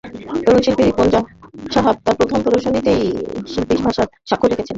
তরুণ শিল্পী রিপন সাহা তাঁর প্রথম প্রদর্শনীতেই স্বকীয় শিল্পভাষার স্বাক্ষর রাখলেন।